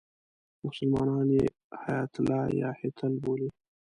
مسلمانان یې هیاتله یا هیتل بولي.